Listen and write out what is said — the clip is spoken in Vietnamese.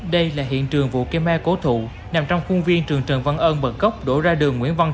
đây là hiện trường vụ kém me cố thụ nằm trong khuôn viên trường trần văn ơn bật gốc đổ ra đường nguyễn